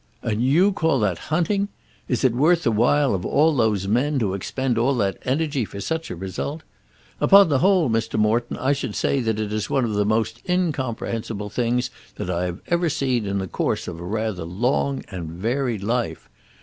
"And you call that hunting! Is it worth the while of all those men to expend all that energy for such a result? Upon the whole, Mr. Morton, I should say that it is one of the most incomprehensible things that I have ever seen in the course of a rather long and varied life.